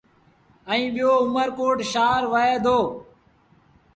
ائيٚݩ ٻيٚو اُمر ڪوٽ شآهر وهي دو۔